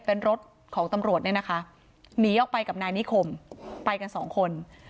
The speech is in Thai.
เป็นรถของตำรวจเนี่ยนะคะหนีออกไปกับนายนิคมไปกันสองคน